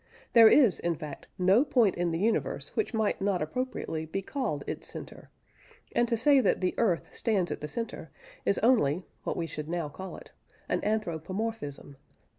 There is, in fact, no point in the universe which might not appropriately be called its centre, and to say that the earth stands at the centre is only (what we should now call it) an anthropomorphism.